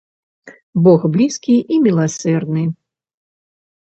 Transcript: Бог блізкі і міласэрны.